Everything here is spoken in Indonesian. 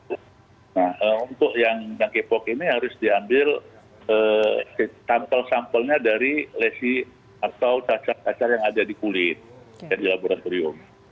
untuk yang k pop ini harus diambil sampel sampelnya dari lesi atau cacar cacar yang ada di kulit yang di laboratorium